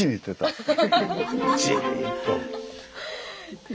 じっと。